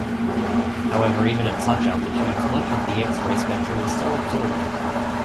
However, even at such altitudes, much of the X-ray spectrum is still absorbed.